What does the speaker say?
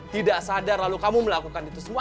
tidak sadar lalu kamu melakukan itu semua